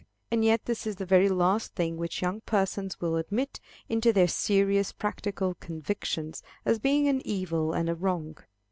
And yet this is the very last thing which young persons will admit into their serious, practical convictions as being an evil and a wrong.